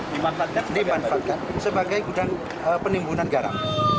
dimanfaatkan sebagai penimbunan garam